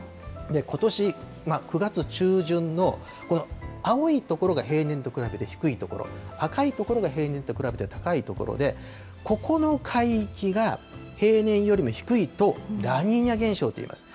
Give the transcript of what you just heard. ことし９月中旬の、青い所が平年と比べて低い所、赤い所が平年と比べて高い所で、ここの海域が平年よりも低いと、ラニーニャ現象といいます。